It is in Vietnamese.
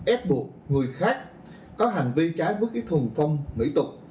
ép buộc người khác có hành vi trái bước thùng phong mỹ tục